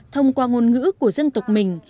thông qua ngôn ngữ của dân tộc mình